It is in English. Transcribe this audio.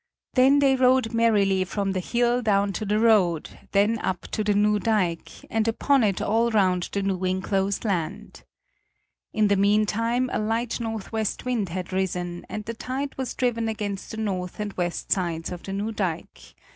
Then they rode merrily from the hill down to the road, then up to the new dike, and upon it all round the new enclosed land. In the mean time a light northwest wind had risen and the tide was driven against the north and west sides of the new dike.